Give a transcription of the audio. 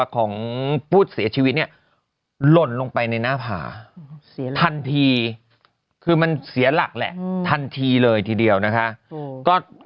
คือมันเสียหลักแหละทันทีเลยทีเดียวนะครับ